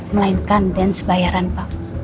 melainkan dan sebayaran p